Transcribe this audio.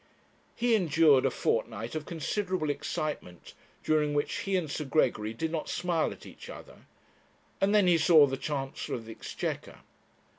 He endured a fortnight of considerable excitement, during which he and Sir Gregory did not smile at each other, and then he saw the Chancellor of the Exchequer.